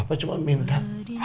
bapak cuma minta